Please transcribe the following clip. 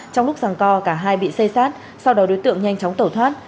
trong lúc rằng co cả hai bị xây sát sau đó đối tượng nhanh chóng tẩu thoát